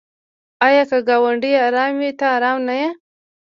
آیا که ګاونډی ارام وي ته ارام نه یې؟